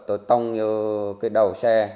tôi tông như cái đầu xe